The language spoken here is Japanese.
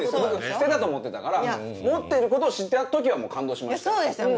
捨てたと思ってたから持ってることを知った時はもう感動しましたよ。